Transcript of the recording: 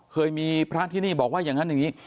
อ๋อเคยมีพระทรีย์ที่นี่บอกว่าอย่างงั้นนิ